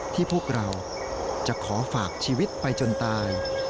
พวกเราจะขอฝากชีวิตไปจนตาย